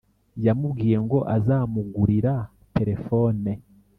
yamubwiye ngo azamugurira telephone